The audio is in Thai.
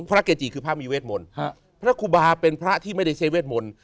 เกจิคือพระมีเวทมนต์พระครูบาเป็นพระที่ไม่ได้ใช้เวทมนต์